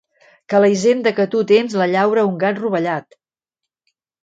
Que la hisenda que tu tens la llaura un gat rovellat.